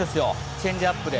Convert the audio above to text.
チェンジアップで。